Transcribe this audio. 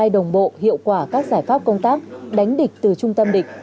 đồng bộ hiệu quả các giải pháp công tác đánh địch từ trung tâm địch